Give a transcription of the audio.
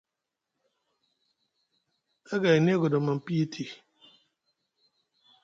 Aga e niyi agoɗom aŋ piyiti.